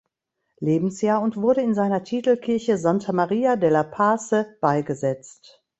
Lebensjahr und wurde in seiner Titelkirche "Santa Maria della Pace" beigesetzt.